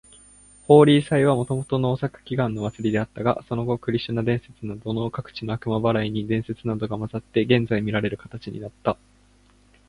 ホーリー祭はもともと豊作祈願の祭りであったが、その後クリシュナ伝説などの各地の悪魔払いの伝説などが混ざって、現在みられる形になった。